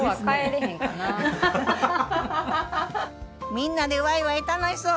みんなでワイワイ楽しそう！